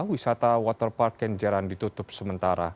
wisata waterpark kenjaran ditutup sementara